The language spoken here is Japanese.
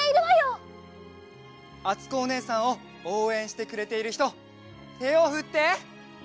あつこおねえさんをおうえんしてくれているひとてをふって！